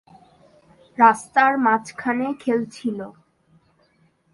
রাস্তার মাঝখানে খেলছিলো।